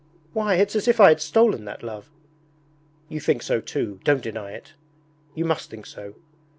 Why, it's as if I had stolen that love! You think so too, don't deny it. You must think so.